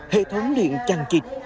hệ thống liện chăn chịch